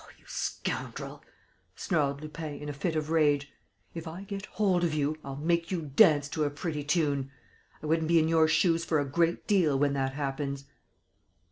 "Oh, you scoundrel!" snarled Lupin, in a fit of rage. "If I get hold of you, I'll make you dance to a pretty tune! I wouldn't be in your shoes for a great deal, when that happens."